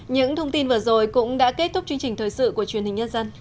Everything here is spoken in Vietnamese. những thông tin vừa rồi cũng đã kết thúc chương trình thời sự của truyền hình nhân dân